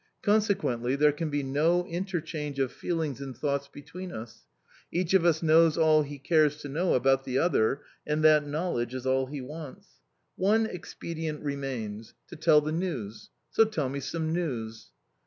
Consequently, there can be no interchange of feelings and thoughts between us; each of us knows all he cares to know about the other, and that knowledge is all he wants. One expedient remains to tell the news. So tell me some news."